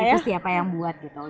ini pasti apa yang buat gitu